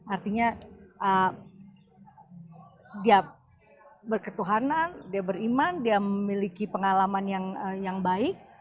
artinya dia berketuhanan dia beriman dia memiliki pengalaman yang baik